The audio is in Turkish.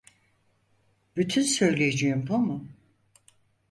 Bütün söyleyeceğin bu mu?